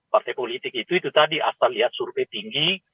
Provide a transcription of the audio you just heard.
partai politik itu itu tadi asal lihat survei tinggi